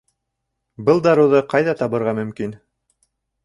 Был дарыуҙы ҡайҙа табырға мөмкин?